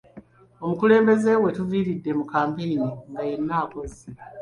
Omukulembeze wetuviiridde mu kampeyini nga yenna akozze